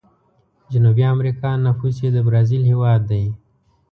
جنوبي امريکا نفوس یې د برازیل هیواد دی.